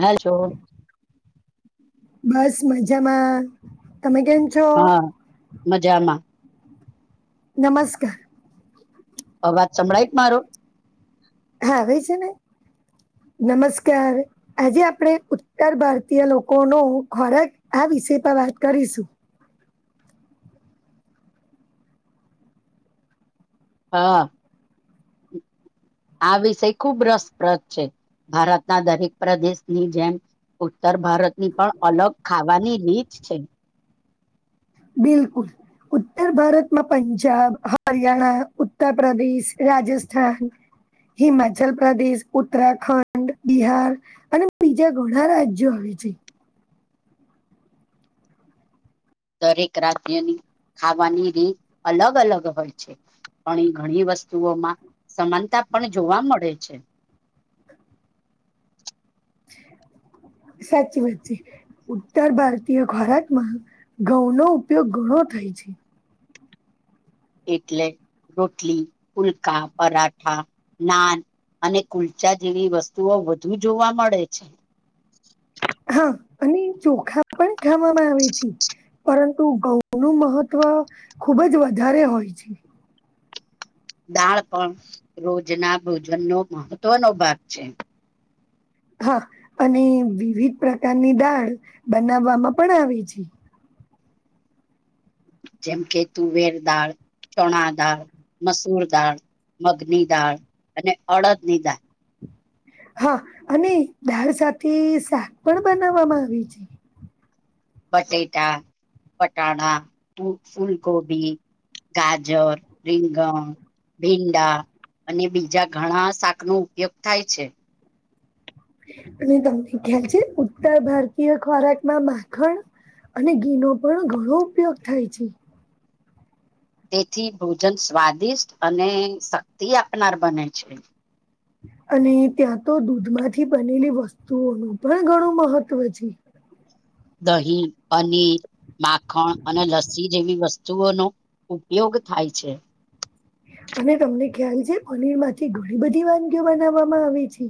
હ છો. બસ મજામાં તમે કેમ છો? હા મજામાં. નમસ્કાર! અવાજ સંભળાય જ મારો. હા ભ છે ને નમસ્કાર! આજે આપણે ઉત્તર ભારતીય લોકો નો ખોરાક વિશે પર વાત કરીશું. હા. આ વિષય ખુબ રસપ્રદ છે. ભારતના દરેક પ્રદેશની જેમ ઉત્તર ભારતની પણ અલગ ખાવાની રીચ છે. બિલકુલ ઉત્તર ભારતમાં પંજાબ હરિયાણા ઉત્તર પ્ર્દેશ રાજસ્થાન, હિમાચલ પ્રદેશ, ઉત્તરાખંડ, બિહાર અને બીજા ઘણા રાજ્યો આવે જી. દરેક રાજ્યની ખાવાની રીત અલગ અલગ હોય છે. ઘણી ઘણી વસ્તુઓમાં સમાનતા પણ જોવા મળે છે. [unintelligible] સાચી વાત છે ઉત્તર ભારતીય ખોરાકમાં ઘઉં નો ઉપયોગ ઘણો થાય છે એટલે રોટલી ફુલકા પરાઠા નાન અને કુલ્ચા જેવી વસ્તુઓ વધુ જોવા મળે છે હા અને ચોખા પણ ખાવામાં આવે છે પરંતુ ઘઉંનું મહત્ત્વ ખુબ જ વધારે હોય છે દાળ પણ રોજ ના ભોજનનો મહત્વનો ભાગ છે હા અને વિવિધ પ્રકારની દાળ બનાવવામાં પણ આવે છે જેમ કે તુવેર દાળ ચણા દાળ મસૂર દાળ મગની દાળ અને અડદની દાળ હા અને દાળ સાથે શાક પણ બનાવવામાં આવે છે બટેટા પટાણા ફૂલ ગભી ગાજર રિંગણ ભીંડા અને બીજા ઘણા શાક નો ઉપયોગ થાય છે અને તમને ખ્યાલ છે ઉત્તર ભારતીય ખોરાકમાં માખણ અને ઘીનો પણ ઘણો ઉપયોગ થાય છે તેથી ભોજન સ્વાદિષ્ટ અને શક્તિ આપનાર બને છે અને ત્યાં તો દૂધમાંથી બનેલી વસ્તુઓનું પણ ઘણું મહત્વ છે દહીં પનીર માખણ અને લસ્સી જેવી વસ્તુઓનો ઉપયોગ થાય છે અને તમને ખ્યાલ છે પનીર માંથી ઘણી બધી વાનગીઓ બનાવવામાં આવે છે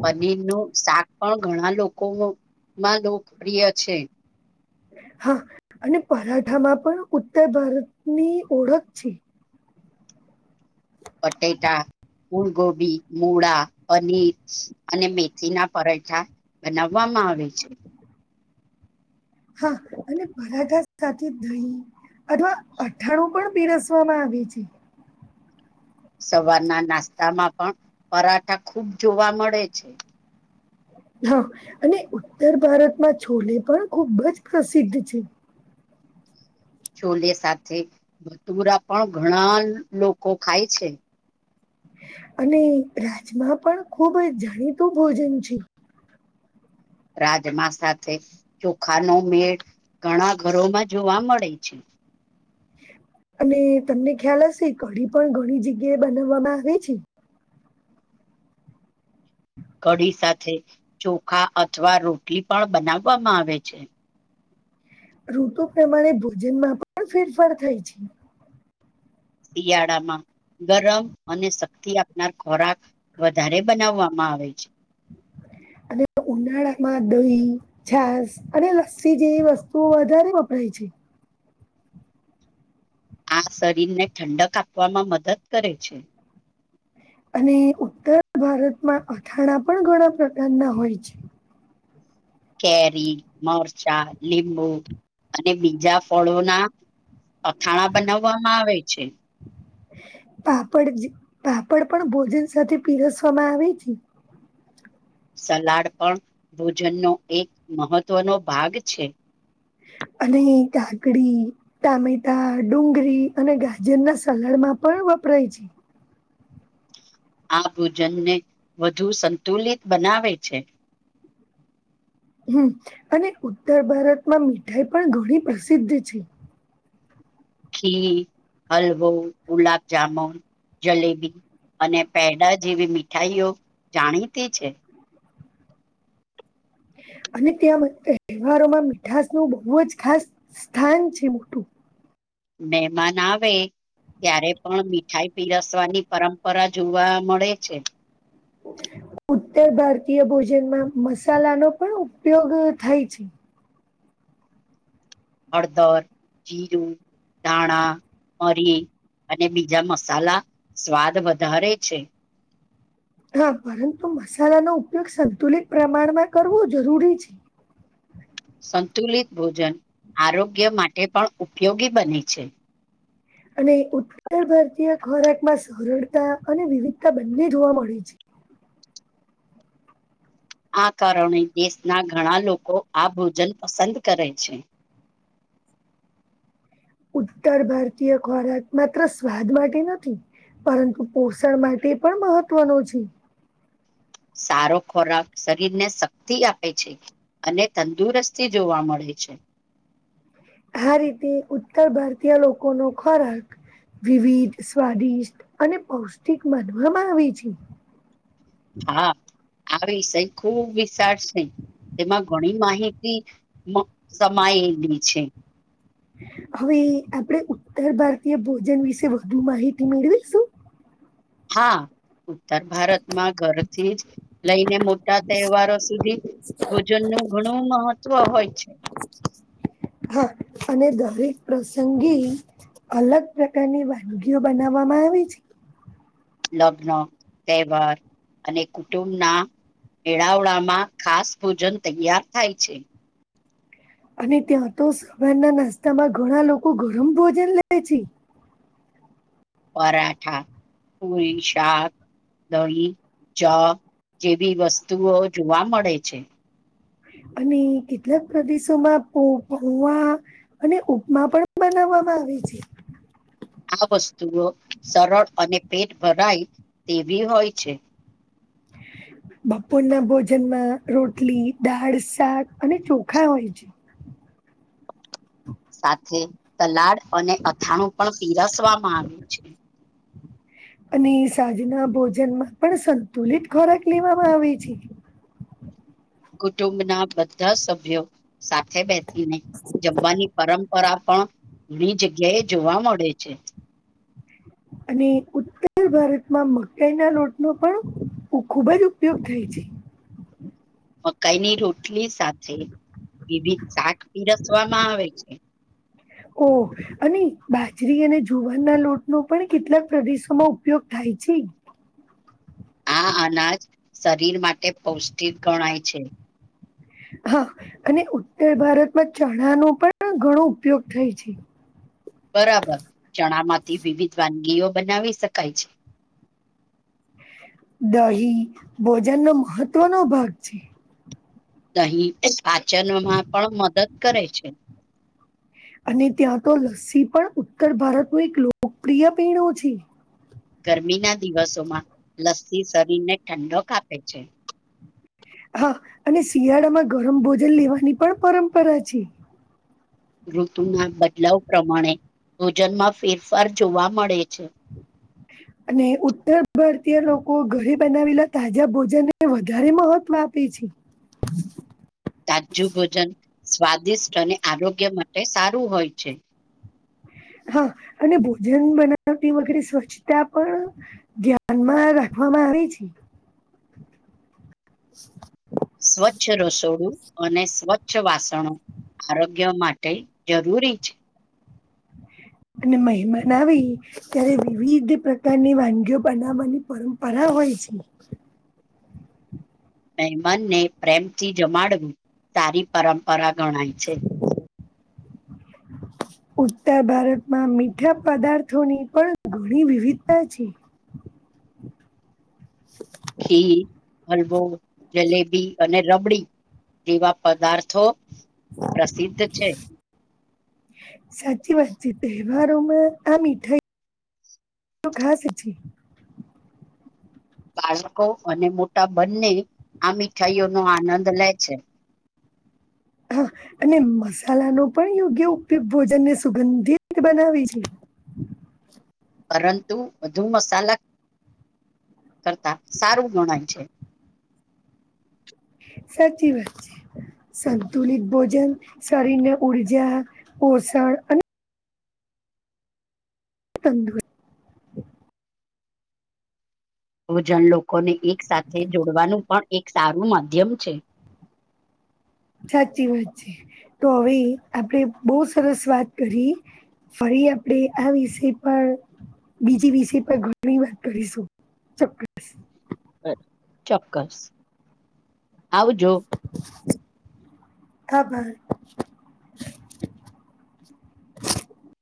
[inaudible] પનીર નું શાક પણ ઘણા લોકોમાં લોકપ્રિય છે [inaudible] હા અને પરાઠામાં પણ ઉત્તર ભારતની ઓળખ છે પટેેટા ફૂલગોભી મૂળા પનીર અને મેથી ના પરઠા બનાવવામાં આવે છે હા અને પરાઠા સાથે દહીં અથવા અઠાણું પણ પીરસવામાં આવે બીજી સવારના નાસ્તામાં પણ પરાઠા ખૂબ જોવા મળે છે હા અને ઉત્તર ભારતમાં છોલે પણ ખૂબ જ પ્રસિદ્ધ છે છોલે સાથે ભથુરા પણ ઘણા લોકો ખાય છે અને રાજમા પણ ખુબ જ જાણીતું ભોજન છે રાજમા સાથે ચોખા નો મેળ ઘણા ઘરોમાં જોવા મળે છે અને તમને ખ્યાલ હશે કઢી પણ ઘણી જગ્યાએ બનાવવામાં આવે છે કડી સાથે ચોખા અથવા રોટલી પણ બનાવવામાં આવે છે ઋતુ પ્રમાણે ભોજનમાં પણ ફેરફાર થાય છે શિયાળામાં ગરમ અને શક્તિ આપનાર ખોરાક વધારે બનાવવામાં આવે છે અને ઉનાળામાં દહી છાસ અને લસ્સી જેવી વસ્તુઓ વધારે વપરા જી છે આ શરીરને ઠંડક આપવામાં મદદ કરે છે અને ઉત્તર ભારતમાં અથાણા પણ ઘણા પ્રકારના હોય છે કેરી મરચાં લીંબુ અને બીજા ફળોના અથાણા બનાવવામાં આવે છે પાપડ પાપડ પણ ભોજન સાથે પીરસવામાં આવે છે સલાડ પણ ભોજનનો એક મહત્વનો ભાગ છે અને કાકડી ટામેટા ડુંગરી અને ગાજર ના સલાડ માં પણ રહી છે આ ભોજનને વધુ સંતુલિત બનાવે છે. હમ અને ઉત્તર ભારતમાં મીઠાઈ પણ ઘણી પ્રસિદ્ધ છે. ખીર, હલવો, ગુલાબ-જામુન જલેબી અને પેડા જેવી મીઠાઈઓ જાણીતી છે. [inaudible] અને ત્યાં તહેવારોમાં મીઠાસ નું બહુ જ ખાસ સ્થાન છે મોટું મહેમાન આવે ત્યારે પણ મીઠાઈ પીરસવાની પરંપરા જોવા મળે છે. ઉ ઉત્તર ભારતીય ભોજનમાં મસાલાનો પણ ઉપયોગ થાય છે. હળદર, જીરું, દાણા, મરી અને બીજા મસાલા સ્વાદ વધારે છે. હા પરંતુ મસાલાનો ઉપયોગ સંતુલિત પ્રમાણમાં કરવો જરૂરી છે. સંતુલિત ભોજન આરોગ્ય માટે પણ ઉપયોગી બને છે. અને ઉત્તર ભારતીય ખોરાક માં સરળતા અને વિવિધતા બંને જોવા મળે છે. હ આ કારણે દેશના ઘણા લોકો આ ભોજન પસંદ કરે છે. ઉત્તર ભારતીય ખોરાક માત્ર સ્વાદ માટે નથી પરંતુ પોષણ માટે પણ મહત્વનો છે. સારો ખોરાક શરીર ને શક્તિ આપે છે, અને તંદુરસ્તી જોવા મળે છે. છ આ રીતે ઉત્તર ભારતીય લોકો નો ખોરાક વિવિધ સ્વાદિષ્ટ અને પૌષ્ટિક માનવામાં આવે છે. હા આવી વિષય ખુબ વિશાળશે તેમાં ઘણી માહિતી સમાયેલી છે. હવે આપણેે ઉત્તર ભારતીય ભોજન વિશે વધુ માહિતી મેળવીશું. હા ઉત્તર ભારતમાં ઘરથી જ લઈને મોટા તહેવારો સુધી ભોજન નું ઘણું મહત્વ હોય છે. હા અને દરેક પ્રસંગી અલગ પ્રકારની વાનગીઓ બનાવવામાં આવે છે. લગ્ન તહેવાર અને કુટુંબના એળાવળામાં ખાસ ભોજન તૈયાર થાય છે. અને ત્યાં તો સવારના નાસ્તામાં ઘણા લોકો ગરમ ભોજન લે છે. પરાઠા, પુડી, શાક દહી, ચા જેવી વસ્તુઓ જોવા મળે છે. અને કેટલાક પ્રદેશોમાં પોવા અને ઉપમા પણ બનાવવા આવી છે. [inaudible] આ વસ્તુઓ સરળ અને પેટ ભરાય તેવી હોય છે. [inaudible] બપોરના ભોજનમાં રોટલી, દાળ, શાક અને ચોખા હોય છે. સાથે સલાડ અને અથાણું પણ પીરસવામાં આવે છે. અને સાજના ભોજનમાં પણ સંતુલિત ખોરાક લેવામાં આવે છે. કુટુંબના બધા સભ્યો સાથે બેઠને જમવાની પરમ પરા પણ ઘણી જગ્યાએ જોવા મળે છે. અને ઉત્તર ભારતમાં મકાઈ ના લોટનો પણ ખુબ જ ઉપયોગ થાય છે. [inaudible] મકાઈની રોટલી સાથે વિવિધ શાક પીરસવામાં આવે છે. ઓ અને બાજરી અને જુવારના લોટ નો પણ કેટલાક પ્રદેશોમાં ઉપયોગ થાય પછી આ અનાજ શરીર માટે પૌષ્ટિક ગણાય છે હા અને ઉત્તર ભારતમાં ચણા નો પણ ઘણો ઉપયોગ થાય છે બરાબર ચણા માંથી વિવિધ વાનગીઓ બનાવી શકાય છે દહી ભોજનનો મહત્વનો ભાગ છે દહી પાચનમાં પણ મદદ કરે છે અને ત્યાં તો લસ્સી પણ ઉત્તર ભારતનું એક લોકપ્રિય પીણું છે ગરમીના દિવસોમાં લસ્સી શરીરને ઠંડક આપપે છે હા અને શિયાળામાં ગરમ ભોજન લેવાની પણ પરંપરા છે ઋતુ ના બદલાવ પ્રમાણે ભોજનમાં ફેરફાર જોવા મળે છે અને ઉત્તર ભારતીય લોકો ઘરે બનાવેલા તાજા ભોજનને વધારે મહત્વ આપે છે [inaudible] [inaudible] તાજું ભોજન સ્વાદિષ્ટ અને આરોગ્ય માટે સારું હોય છે હા અને ભોજન બનાવતી વગેરે સ્વચ્છતા પણ ધ્યાનમાં રાખ રાખવામાં આવી છે [unintelligible] [unintelligible] સ્વચ્છ રસોડું અને સ્વચ્છ વાસણો આરોગ્ય માટે જરૂરી છે મહેમાન આવી ત્યારે વિવિધ પ્રકારની વાનગીઓ બનાવવાની પરંપરા હોય છે મહેમનને પ્રેમથી જમાડવું સારી પરંપરા ગણાય છે [inaudible] [inaudible] ઉત્તર ભારતમાં મીઠા પદાર્થોની પણ ઘણી વિવિધતા છે [inaudible] [inaudible] ખીર હલવો જલેબી અને રબડી એવા પદાર્થો પ્રસિદ્ધ છે. સાચી વાતચીત તવહારો મા આ મીઠાઈ તો ખાસ છે બાળકો અને મોટા બંને આ મીઠાઈઓનો આનંદ લે છે હા અને મસાલાનો પણ યોગ્ય ઉપયોગ ભોજનને સુગંધિત રીતે બનાવી છે પરંતુ વધુ મસાલા કરતા સારું ગણાય છે સાચી વાત છે સંતુલિત ભોજન શરીરને ઉર્જા પોષણ અને તંદુર હ જણ લોકોને એક સાથે જોડવાનું પણ એક સારું માધ્યમ છે [inaudible] [inaudible] સાચી વાત છે તો હવે આપણે બહુ સરસ વાત કરી ફરી એ આપણેે આ વિશે પણ બીજી વિષય પર ઘણી વાત કરીશું ચોક્કસ ચોક્કસ આવજો ખબર [unintelligible] [unintelligible]